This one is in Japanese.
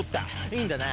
いいんだな？